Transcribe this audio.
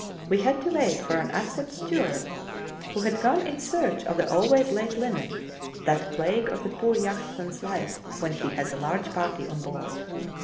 we had to wait for an absent steward, who had gone in search of the always late linen, that plague of the poor yachtsman's life when he has a large party on board.